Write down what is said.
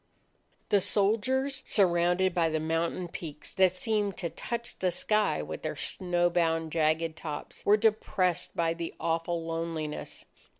The soldiers, surrounded by the mountain peaks that seemed to touch the sky with their snow bound jagged tops, were depressed by the awful loneliness.